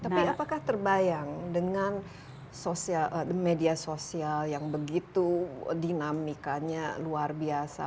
tapi apakah terbayang dengan media sosial yang begitu dinamikanya luar biasa